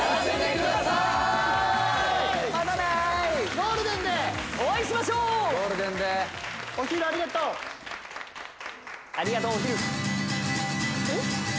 ゴールデンでお会いしましょうゴールデンでお昼ありがとうえっ？